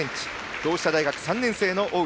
同志社大学３年生、大内。